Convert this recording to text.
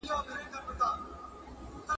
د هغه به څه سلا څه مشوره وي !.